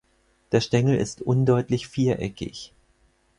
Der Stängel ist undeutlich viereckig.